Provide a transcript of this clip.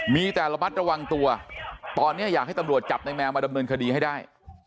มีแต่ระมัดระวังตัวตอนนี้อยากให้ตำรวจจับในแมวมาดำเนินคดีให้ได้